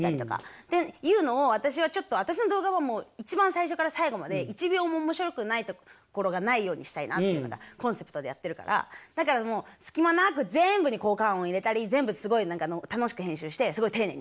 っていうのを私はちょっと私の動画は一番最初から最後まで１秒も面白くないところがないようにしたいなっていうのがコンセプトでやってるからだからもう隙間なく全部に効果音入れたり全部すごい楽しく編集してすごい丁寧に編集した。